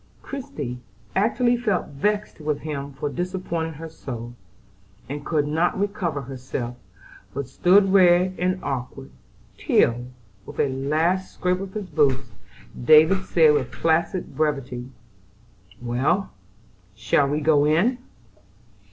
Christie actually felt vexed with him for disappointing her so, and could not recover herself, but stood red and awkward, till, with a last scrape of his boots, David said with placid brevity: "Well, shall we go in?"